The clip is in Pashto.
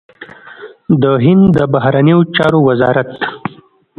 د هند د بهرنيو چارو وزارت